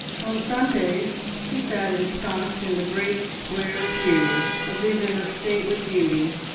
On Sundays she sat ensconced in the great square pew, a vision of stately beauty.